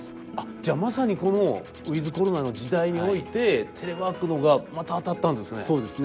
じゃあまさにこのウィズコロナの時代においてテレワークのがまた当たったんですね。